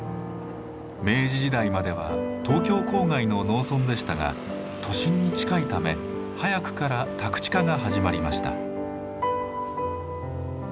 明治時代までは東京郊外の農村でしたが都心に近いため早くから宅地化が始まりました。